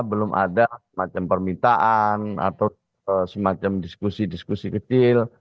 belum ada semacam permintaan atau semacam diskusi diskusi kecil